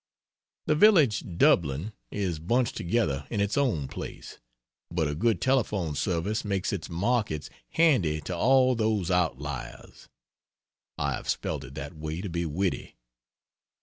The village Dublin is bunched together in its own place, but a good telephone service makes its markets handy to all those outliars. I have spelt it that way to be witty.